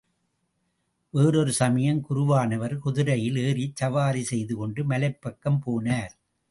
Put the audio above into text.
வேறொரு சமயம், குருவானவர் குதிரையில் ஏறிச் சவாரி செய்துகொண்டு மலைப்பக்கம் போனார்.